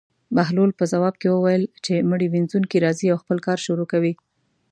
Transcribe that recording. بهلول په ځواب کې وویل: چې مړي وينځونکی راځي او خپل کار شروع کوي.